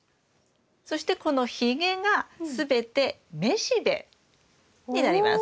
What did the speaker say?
そしてこのひげが全て雌しべになります。